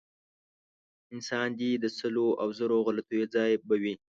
انسان دی د سلو او زرو غلطیو ځای به وي.